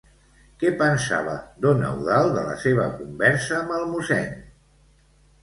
Què pensava don Eudald de la seva conversa amb el mossèn?